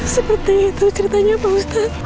seperti itu ceritanya pak ustadz